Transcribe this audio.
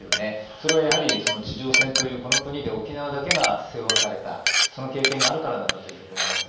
それは地上戦というこの国で沖縄だけが背負わされたその経験があるからだと思います。